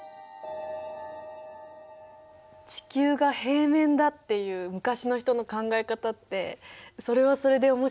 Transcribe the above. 地球が平面だっていう昔の人の考え方ってそれはそれで面白い。